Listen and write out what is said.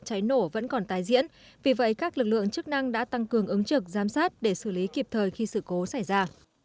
cháy nổ vẫn còn tái diễn vì vậy các lực lượng chức năng đã tăng cường ứng trực giám sát để xử lý kịp thời khi sự cố xảy ra